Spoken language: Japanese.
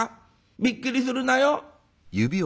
びっくりするなよ。